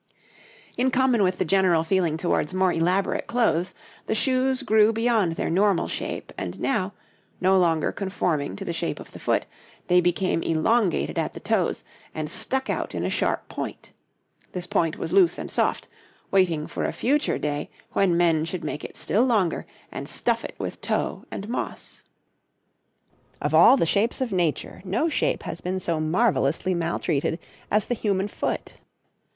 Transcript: In common with the general feeling towards more elaborate clothes, the shoes grew beyond their normal shape, and now, no longer conforming to the shape of the foot, they became elongated at the toes, and stuck out in a sharp point; this point was loose and soft, waiting for a future day when men should make it still longer and stuff it with tow and moss. Of all the shapes of nature, no shape has been so marvellously maltreated as the human foot.